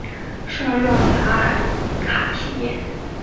圣让达尔卡皮耶。